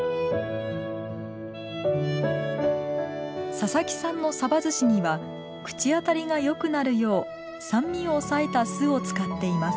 佐々木さんのさばずしには口当たりがよくなるよう酸味を抑えた酢を使っています。